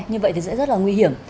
như vậy thì sẽ rất là nguy hiểm